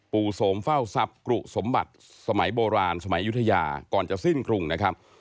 โสมเฝ้าทรัพย์กรุสมบัติสมัยโบราณสมัยยุธยาก่อนจะสิ้นกรุงนะครับ